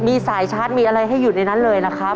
มีสายชาร์จมีอะไรให้อยู่ในนั้นเลยนะครับ